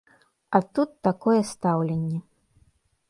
А тут такое стаўленне.